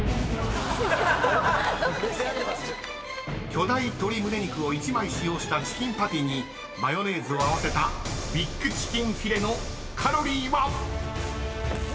［巨大鶏胸肉を１枚使用したチキンパティにマヨネーズを合わせたビッグチキンフィレのカロリーは⁉］